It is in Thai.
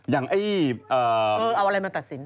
อย่างไอ้เออเอาอะไรมาตัดสิน